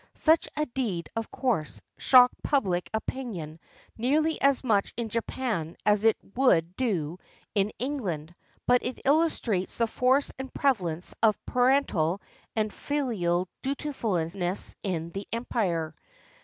Such a deed, of course, shocked pub He opinion nearly as much in Japan as it would do in England, but it illustrates the force and prevalence of parental and fihal dutifulness in the Empire.